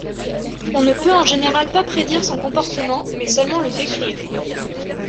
On ne peut en général pas prédire son comportement mais seulement le décrire.